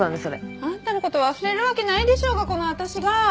あんたの事忘れるわけないでしょうがこの私が！